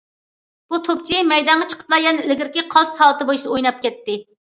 بۇ توپچى مەيدانغا چىقىپلا يەنە ئىلگىرىكى قالتىس ھالىتى بويىچە ئويناپ كەتتى.